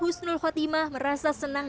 husnul khotimah merasa senang